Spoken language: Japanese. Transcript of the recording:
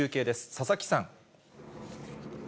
佐々木さん。